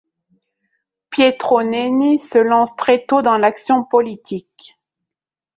Pietro Nenni se lance très tôt dans l'action politique.